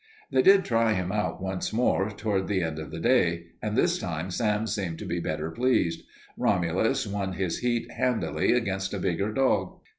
They did try him out once more toward the end of the day, and this time Sam seemed to be better pleased. Romulus won his heat handily against a bigger dog.